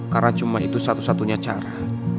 karena cuma itu satu satunya cara